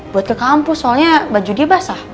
buat ke kampus soalnya baju dia basah